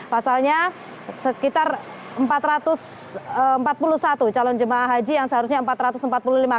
pasalnya sekitar empat ratus empat puluh satu calon jemaah haji yang seharusnya empat ratus empat puluh satu calon jemaah haji ini berumur empat juta rupiah